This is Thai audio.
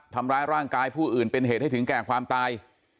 ทำร้ายร่างกายผู้อื่นเป็นเหตุให้ถึงแก่ความตาย